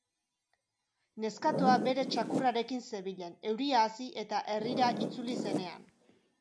Neskatoa bere txakurrarekin zebilen, euria hasi eta herrira itzuli zenean.